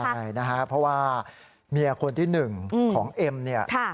ใช่นะฮะเพราะว่าเมียคนที่หนึ่งของเอ็มเนี่ย